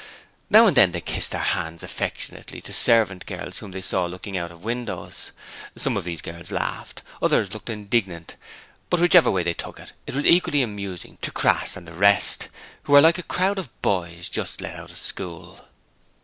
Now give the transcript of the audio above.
Now and then they kissed their hands affectionately to servant girls whom they saw looking out of windows. Some of these girls laughed, others looked indignant, but whichever way they took it was equally amusing to Crass and the rest, who were like a crowd of boys just let out of school.